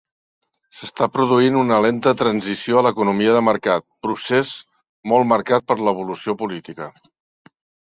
S'està produint una lenta transició a l'economia de mercat, procés molt marcat per l'evolució política.